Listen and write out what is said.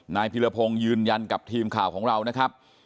พิรพงศ์ยืนยันกับทีมข่าวของเรานะครับ